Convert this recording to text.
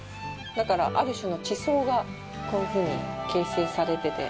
だから、ある種の地層がこういうふうに形成されてて。